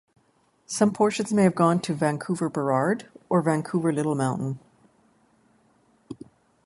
Some portions may have gone to Vancouver-Burrard or Vancouver-Little Mountain.